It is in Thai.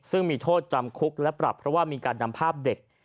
ซึ่งมีโทษจำคุกและปรับเพราะว่ามีการนำภาพเด็ก